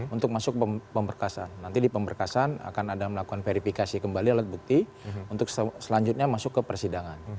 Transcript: untuk masuk pemberkasan nanti di pemberkasan akan ada melakukan verifikasi kembali alat bukti untuk selanjutnya masuk ke persidangan